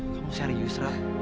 kamu serius ra